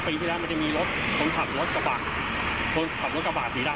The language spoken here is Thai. ปีที่เดิมมันจะมีรถคนขับรถกระบาด